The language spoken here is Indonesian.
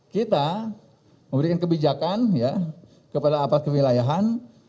kita memberikan kebijakan kepada aparat kewilayahan